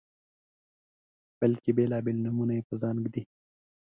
بلکې بیلابیل نومونه په ځان ږدي